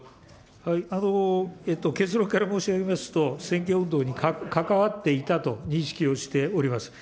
結論から申し上げますと、選挙運動に関わっていたと認識をしております。